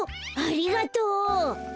ありがとう！